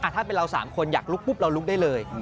ถ้าเป็นเรา๓คนอยากลุกปุ๊บเราลุกได้เลย